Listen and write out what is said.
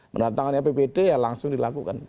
menantangkan apbd ya langsung dilakukan